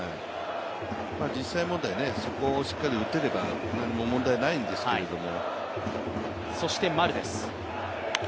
実際問題、そこをしっかり打てれば何も問題ないんですけれども。